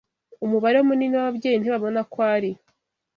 Umubare munini w’ababyeyi ntibabona ko ari